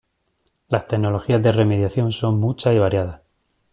Las tecnologías de remediación son muchas y variadas.